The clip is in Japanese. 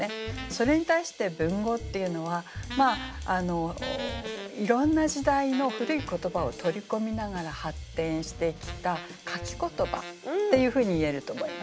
それに対して文語っていうのはいろんな時代の古い言葉を取り込みながら発展してきた書き言葉っていうふうにいえると思います。